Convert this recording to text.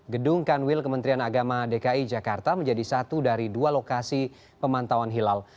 gedung kanwil kementerian agama dki jakarta menjadi satu dari dua lokasi pemantauan hilal